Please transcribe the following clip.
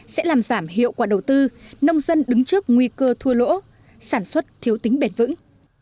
sẽ làm giảm hiệu quả đầu tư nông dân đứng trước nguy cơ thua lỗ sản xuất thiếu tính bền vững